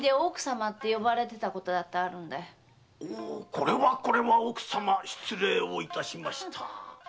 これはこれは奥様失礼を致しました！